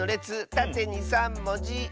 たてに３もじ。